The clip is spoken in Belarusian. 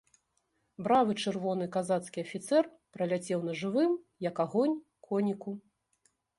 Бравы чырвоны казацкі афіцэр праляцеў на жывым, як агонь, коніку.